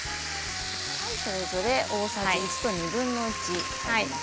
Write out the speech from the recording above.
それぞれ大さじ１と２分の１。